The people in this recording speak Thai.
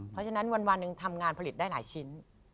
เพราะฉะนั้นวันหนึ่งทำงานผลิตได้หลายชิ้น